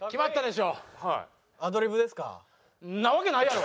そんなわけないやろ！